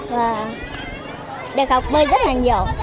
và được học bơi rất là nhiều